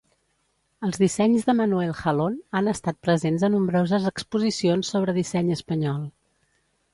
Els dissenys de Manuel Jalón han estat presents a nombroses exposicions sobre disseny espanyol.